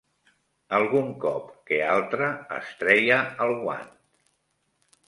Algun cop que altre es treia el guant